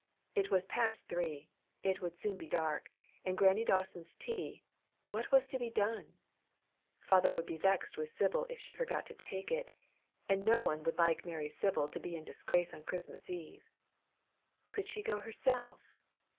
It was past three, it would soon be dark, and Grannie Dawson's tea—what was to be done? Father would be vexed with Sibyl if she forgot to take it, and no one would like merry Sibyl to be in disgrace on Christmas Eve. Could she go herself?